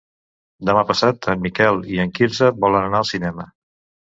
Demà passat en Miquel i en Quirze volen anar al cinema.